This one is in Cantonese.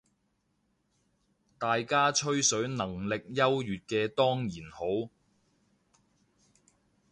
大家吹水能力優越嘅當然好